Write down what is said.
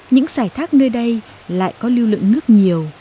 những giải thác nơi đây lại có lưu lượng nước nhiều